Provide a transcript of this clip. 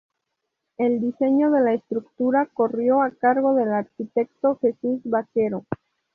El diseño de la estructura corrió a cargo del arquitecto Jesús Vaquero.